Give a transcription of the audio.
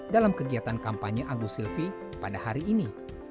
dalam kegiatan kampanye agus silvi pada hari ini